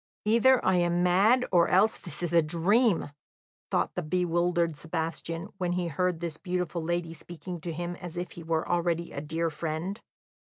"Either I am mad or else this is a dream," thought the bewildered Sebastian, when he heard this beautiful lady speaking to him as if he were already a dear friend.